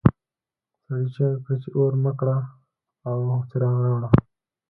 سړي چیغې کړې چې اور مړ کړه او څراغ راوړه.